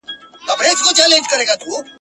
دېوالونه هم غوږونه لري !.